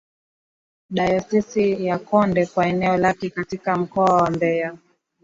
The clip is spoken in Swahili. Dayosisi ya Konde kwa eneo lake katika mkoa wa Mbeya